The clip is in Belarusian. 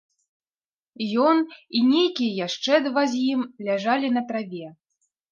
Ён і нейкія яшчэ два з ім ляжалі на траве.